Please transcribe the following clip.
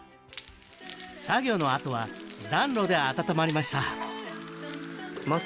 作業のあとは暖炉で温まりましたお甘い！